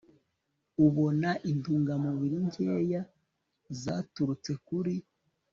ubona intungamubiri nkeya zaturutse kuri